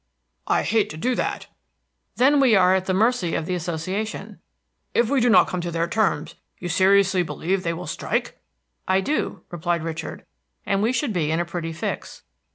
"I hate to do that." "Then we are at the mercy of the Association." "If we do not come to their terms, you seriously believe they will strike?" "I do," replied Richard, "and we should be in a pretty fix."